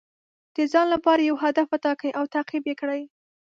د ځان لپاره یو هدف وټاکئ او تعقیب یې کړئ.